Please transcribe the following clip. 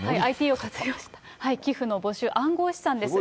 ＩＴを活用した寄付の募集、暗号資産です。